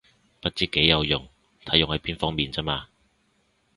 不知幾有用，睇用喺邊方面咋嘛